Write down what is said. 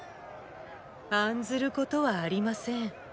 案ずることはありません。